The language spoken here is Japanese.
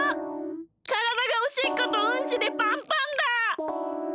からだがおしっことうんちでパンパンだ！